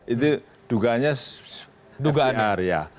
itu dugaannya fdr ya